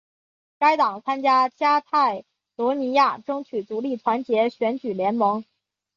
该党参加加泰罗尼亚争取独立团结选举联盟。